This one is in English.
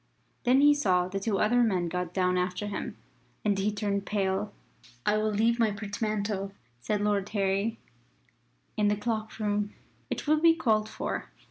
Then he saw the two other men got down after him, and he turned pale. "I will leave my portmanteau," said Lord Harry, "in the cloak room. It will be called for."